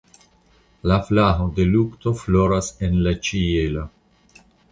La flago de lukto floras en la ĉielo.